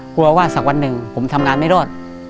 กลัวว่าสักวันหนึ่งผมทำงานไม่รอด